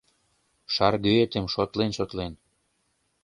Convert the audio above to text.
Шаргӱэтым шотлен-шотлен